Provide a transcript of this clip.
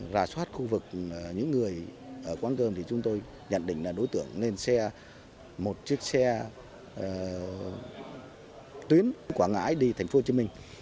rà soát khu vực những người ở quán cơm thì chúng tôi nhận định là đối tượng lên xe một chiếc xe tuyến quảng ngãi đi thành phố hồ chí minh